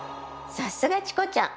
さすがチコちゃん！